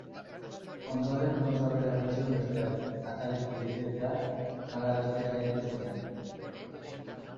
Ondoren, gauza bera egin zion besteari, ataritik irtetea galarazten saiatu zenean.